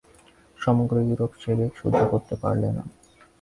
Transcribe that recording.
সমগ্র ইউরোপ সে বেগ সহ্য করতে পারলে না।